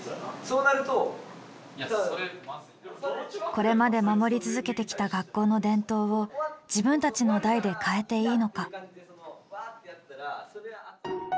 これまで守り続けてきた学校の伝統を自分たちの代で変えていいのか。